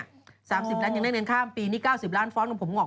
๓๐ล้านยังได้เงินค่าปีนี้๙๐ล้านฟอร์สของผมออก